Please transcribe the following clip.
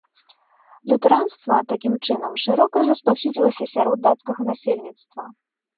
Лютэранства, такім чынам, шырока распаўсюдзілася сярод дацкага насельніцтва.